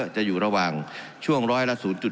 จะอยู่ระหว่างช่วงร้อยละ๐๘